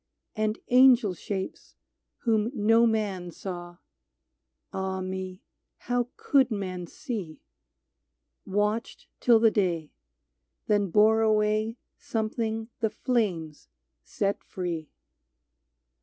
And angel shapes, whom no man saw — Ah me ! how could men see ?— Watched till the day, then bore away Something the flames set free.